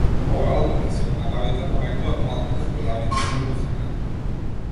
Овој албум ќе си го набавите во некоја од малкуте продавници за музика.